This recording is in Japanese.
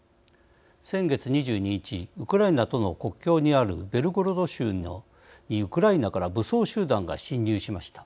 先月２２日ウクライナとの国境にあるベルゴロド州にウクライナから武装集団が侵入しました。